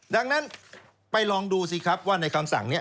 ดังนั้นไปลองดูสิครับว่าในคำสั่งนี้